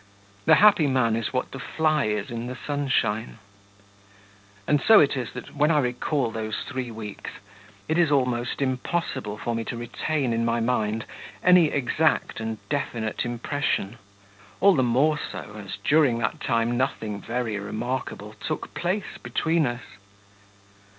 The happy man is what the fly is in the sunshine. And so it is that, when I recall those three weeks, it is almost impossible for me to retain in my mind any exact and definite impression, all the more so as during that time nothing very remarkable took place between us....